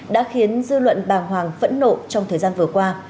đã khiến dư luận bàng hoàng phẫn nộ trong thời gian vừa qua